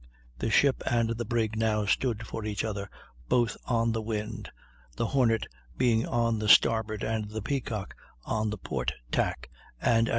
The ship and the brig now stood for each other, both on the wind, the Hornet being on the starboard and the Peacock on the port tack, and at 5.